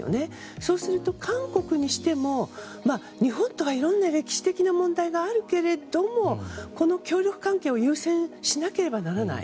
そうすると韓国にしても日本とはいろんな歴史的な問題があるけれどもこの協力関係を優先しなければならない。